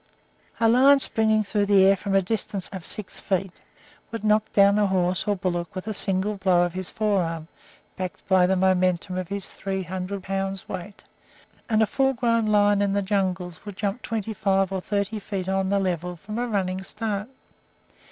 A lion springing through the air from a distance of six feet would knock down a horse or bullock with a single blow of his forearm, backed by the momentum of his three hundred pounds' weight, and a full grown lion in the jungles will jump twenty five or thirty feet on the level from a running start.